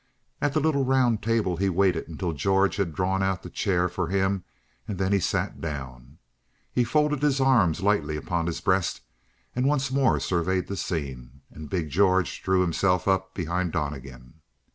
At the little round table he waited until George had drawn out the chair for him and then he sat down. He folded his arms lightly upon his breast and once more surveyed the scene, and big George drew himself up behind Donnegan.